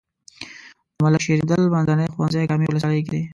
د ملک شیریندل منځنی ښوونځی کامې ولسوالۍ کې دی.